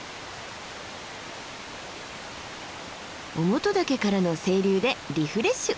於茂登岳からの清流でリフレッシュ。